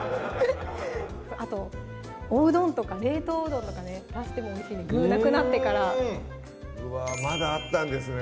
あとおうどんとか冷凍うどんとかね足してもおいしいんで具なくなってからうわぁまだあったんですね